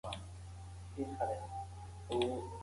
آیا لین جریان په منظم ډول لیږدوي؟